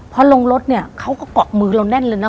พอลงรถเนี่ยเขาก็เกาะมือเราแน่นเลยนะ